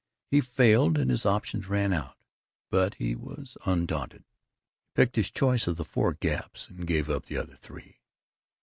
He failed and his options ran out, but he was undaunted. He picked his choice of the four gaps and gave up the other three.